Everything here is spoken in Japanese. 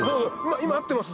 今合ってます！